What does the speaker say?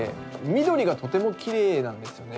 緑がとてもきれいなんですよね。